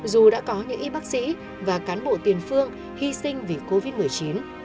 dù đã có những y bác sĩ và cán bộ tiền phương hy sinh vì covid một mươi chín